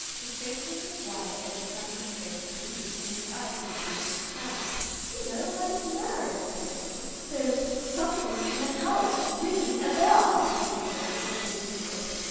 His face was as white as a sunburned face could be, and his eyes were brimmed with panic. "Peter, what is the matter?" cried Cecily. "There's SOMETHING in the house, RINGING A BELL," said Peter, in a shaking voice.